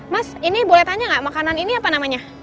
mas ini boleh tanya nggak makanan ini apa namanya